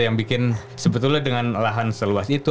yang bikin sebetulnya dengan lahan seluas itu